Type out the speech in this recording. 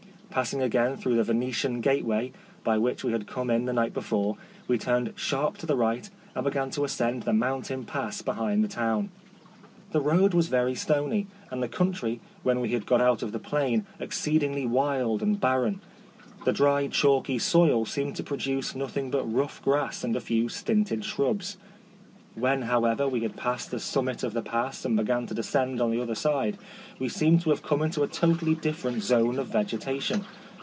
Passing again through the Vene tian gateway, by which we had come in the night before, we turned sharp to the right and began to ascend the mountain pass behind the town. The road was very stony, and the country, when once we had got out of the plain, exceedingly wild and barren. The dry chalky soil seemed to produce nothing but rough grass and a few stinted shrubs. When, however, we had reached the summit of the pass and began to descend on the other side, we seemed to have come into a totally different zone of vegetation.